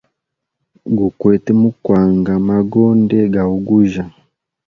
Gu kwete mu kwanga magonde ga ugujya.